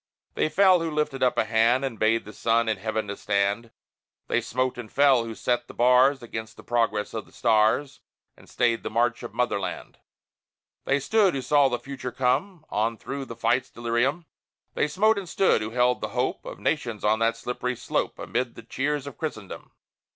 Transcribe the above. They fell, who lifted up a hand And bade the sun in heaven to stand; They smote and fell, who set the bars Against the progress of the stars, And stayed the march of Motherland. They stood, who saw the future come On through the fight's delirium; They smote and stood, who held the hope Of nations on that slippery slope, Amid the cheers of Christendom!